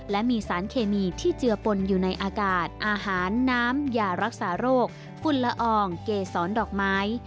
และมีสารเคมีที่เจือปนอยู่ในอากาศอาหารน้ำยารักษาโรคฝุ่นละอองเกษรดอกไม้